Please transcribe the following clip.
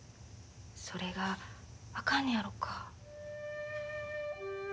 それがあかんのやろか。